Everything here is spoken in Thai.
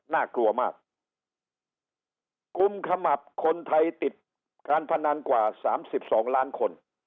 น่ากลัวมากกุมขมับคนไทยติดการพนันกว่า๓๒ล้านคน